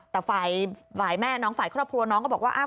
แต่ฝ่ายแม่น้องฝ่ายครอบครัวน้องก็บอกว่า